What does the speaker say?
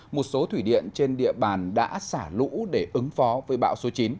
một số thủy điện trên địa bàn đã xả lũ để ứng phó với bão số chín